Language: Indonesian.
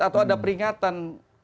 atau ada peringatan